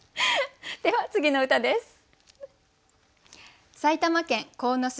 では次の歌です。